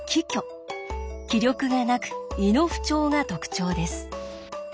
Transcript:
気力がなく胃の不調が特徴です。